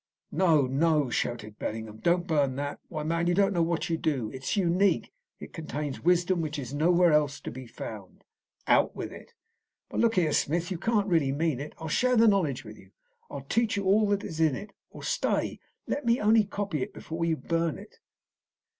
"No, no," shouted Bellingham. "Don't burn that! Why, man, you don't know what you do. It is unique; it contains wisdom which is nowhere else to be found." "Out with it!" "But look here, Smith, you can't really mean it. I'll share the knowledge with you. I'll teach you all that is in it. Or, stay, let me only copy it before you burn it!"